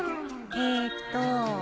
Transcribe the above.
えっと。